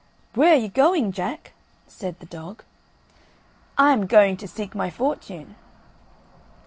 "Where are you going, Jack?" said the dog. "I am going to seek my fortune."